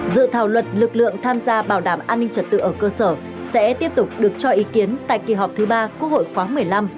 dự thảo luật lực lượng tham gia bảo đảm an ninh trật tự ở cơ sở sẽ tiếp tục được cho ý kiến tại kỳ họp thứ ba quốc hội khoáng một mươi năm